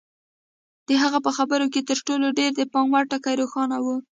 د هغه په خبرو کې تر ټولو ډېر د پام وړ ټکی روښانه و.